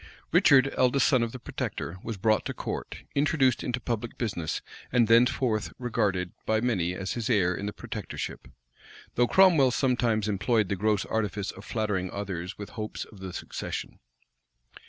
Richard, eldest son of the protector, was brought to court, introduced into public business, and thenceforth regarded by many as his heir in the protectorship; though Cromwell sometimes employed the gross artifice of flattering others with hopes of the succession.